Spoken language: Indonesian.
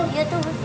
iya tuh betul